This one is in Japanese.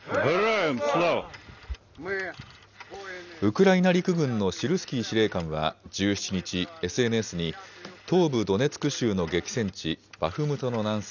ウクライナ陸軍のシルスキー司令官は１７日、ＳＮＳに、東部ドネツク州の激戦地、バフムトの南西